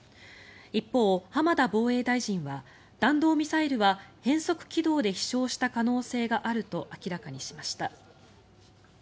一方、浜田防衛大臣は弾道ミサイルは変則軌道で飛翔した可能性があると明らかにしました。